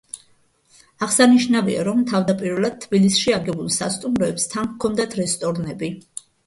აღსანიშნავია, რომ თავდაპირველად თბილისში აგებულ სასტუმროებს თან ჰქონდათ რესტორნები.